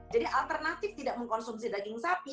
jadi alternatif tidak mengkonsumsi daging sapi